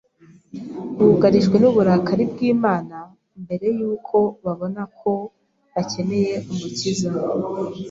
bugarijwe n’uburakari bw’Imana, mbere y’uko babona ko bakeneye Umukiza.